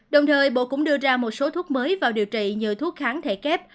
đồng thời bộ cũng đưa ra một số thuốc mới vào điều trị như thuốc kháng thể kép